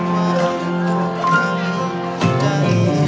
เพลงที่สี่